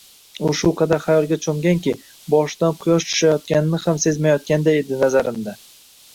U shu qadar xayolga cho`mganki, boshidan quyosh tushayotganini ham sezmayotganday edi nazarimda